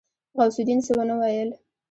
غوث الدين څه ونه ويل.